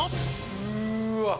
うーわっ。